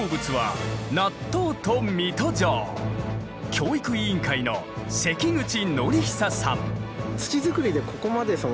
教育委員会の関口慶久さん。